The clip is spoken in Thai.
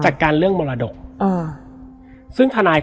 แล้วสักครั้งหนึ่งเขารู้สึกอึดอัดที่หน้าอก